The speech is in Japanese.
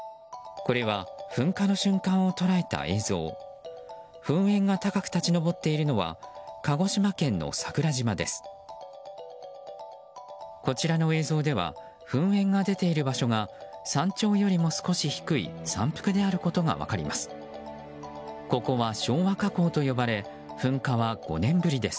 こちらの映像では噴煙が出ている場所が山頂よりも少し低い山腹であることが分かります。